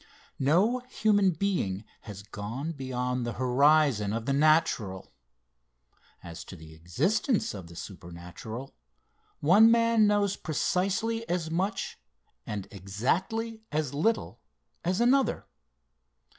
No human being has gone beyond the horizon of the natural. As to the existence of the supernatural, one man knows precisely as much, and exactly as little as another.